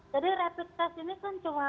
jadi rapid test ini kan cuma